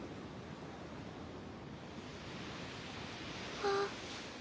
あっ。